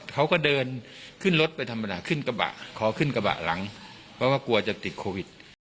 เขาก็เดินขึ้นรถไปธรรมดาขึ้นกระบะขอขึ้นกระบะหลังเพราะว่ากลัวจะติดโควิด